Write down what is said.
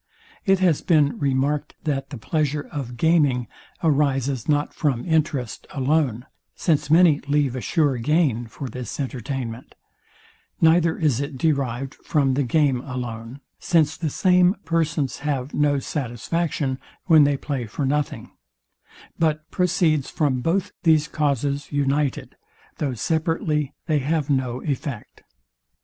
It has been remarked, that the pleasure of gaming arises not from interest alone; since many leave a sure gain for this entertainment: Neither is it derived from the game alone; since the same persons have no satisfaction, when they play for nothing: But proceeds from both these causes united, though separately they have no effect.